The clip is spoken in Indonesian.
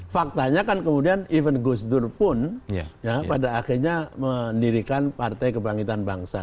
faktanya kan kemudian even gus dur pun ya pada akhirnya mendirikan partai kebangkitan bangsa